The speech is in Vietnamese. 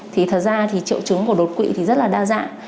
thì thật ra triệu chứng của đột quỵ rất là đa dạng